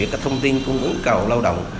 các thông tin cũng ứng cầu lao động